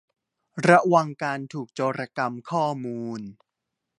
ระวังการถูกโจรกรรมข้อมูล